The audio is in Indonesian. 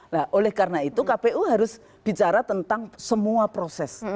nah oleh karena itu kpu harus bicara tentang semua proses